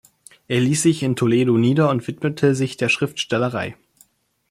Er ließ sich in Toledo nieder und widmete sich der Schriftstellerei.